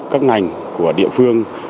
các ngành của địa phương